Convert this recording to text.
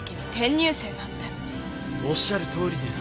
おっしゃるとおりです。